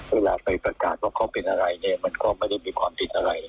เวลาไปประกาศว่าเขาเป็นอะไรเนี่ยมันก็ไม่ได้มีความผิดอะไร